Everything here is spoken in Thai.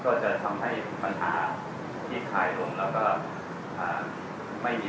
ก็จะทำให้ปัญหาที่คลายลงแล้วก็ไม่มีประทบมากในส่วนนี้